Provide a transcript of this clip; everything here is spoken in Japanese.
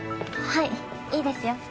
はいいいですよ。